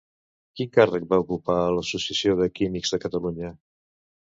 Quin càrrec va ocupar a l'Associació de Químics de Catalunya?